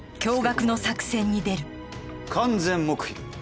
完全黙秘だ！